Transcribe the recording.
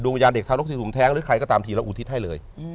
ดวงวิญญาณเด็กธานกฤตสุมแท้หรือใครก็ตามทีแล้วอูทิศให้เลย